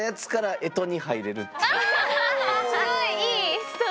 すごいいい！